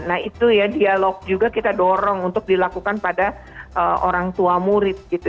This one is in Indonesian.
nah itu ya dialog juga kita dorong untuk dilakukan pada orang tua murid gitu